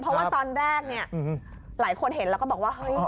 เพราะว่าตอนแรกเนี่ยหลายคนเห็นแล้วก็บอกว่าเฮ้ย